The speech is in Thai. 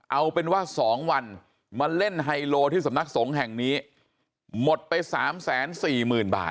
เอาเป็นว่าสองวันมาเล่นไฮโลที่สำนักสงฆ์แห่งนี้หมดไปสามแสนสี่หมื่นบาท